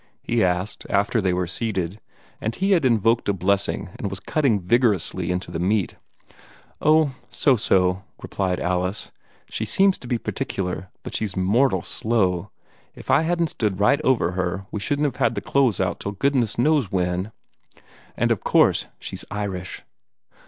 he asked, after they were seated, and he had invoked a blessing and was cutting vigorously into the meat. "Oh, so so," replied Alice; "she seems to be particular, but she's mortal slow. If I hadn't stood right over her, we shouldn't have had the clothes out till goodness knows when. And of course she's Irish!"